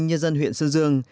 nhân dân huyện sơn dương